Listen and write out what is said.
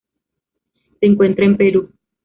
Se encuentra en Perú.